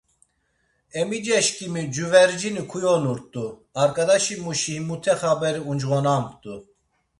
Emiceşǩimi cuvercini kuyonurt̆u, arǩadaşimuşi himute xaberi uncğonamt̆u.